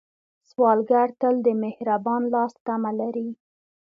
سوالګر تل د مهربان لاس تمه لري